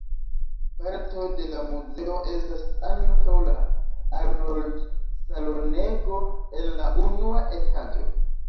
Parto de la muzeo estas ankaŭ la Arnoldi-salonego en la unua etaĝo.